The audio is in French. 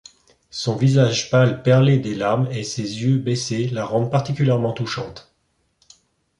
Son visage pâle perlé des larmes et ses yeux baissés la rendent particulièrement touchante.